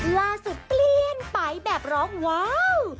เปลี่ยนไปแบบร้องว้าว